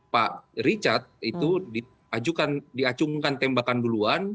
pak richard itu diacungkan tembakan duluan